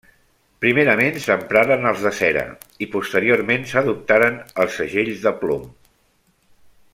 Primerament s'empraren els de cera i posteriorment s'adoptaren els segells de plom.